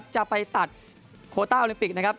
จะไปตัดโคต้าโอลิมปิกนะครับ